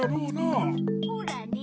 ほらね。